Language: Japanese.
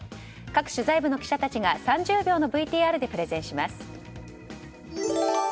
各取材部の記者たちが３０秒のＶＴＲでプレゼンします。